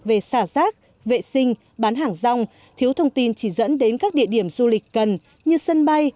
về xả rác vệ sinh bán hàng rong thiếu thông tin chỉ dẫn đến các địa điểm du lịch cần như sân bay